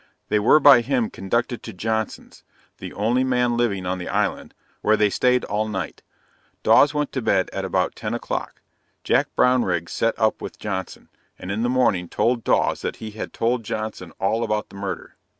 They were by him conducted to Johnson's (the only man living on the island,) where they staid all night Dawes went to bed at about 10 o'clock Jack Brownrigg set up with Johnson, and in the morning told Dawes that he had told Johnson all about the murder.